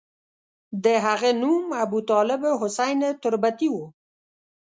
د هغه نوم ابوطالب حسین تربتي وو.